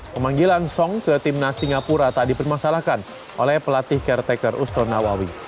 pemanggilan song ke timnas singapura tak dipermasalahkan oleh pelatih caretaker uston nawawi